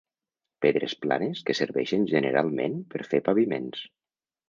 Pedres planes que serveixen generalment per fer paviments.